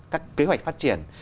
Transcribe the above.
các kế hoạch phát triển